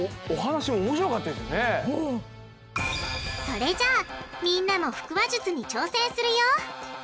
それじゃあみんなも腹話術に挑戦するよ！